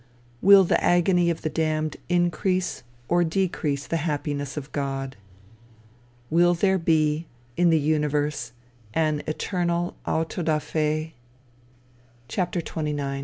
Will the agony of the damned increase or decrease the happiness of God? Will there be, in the universe, an eternal auto da fe? XXIX.